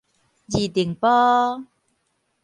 二重埔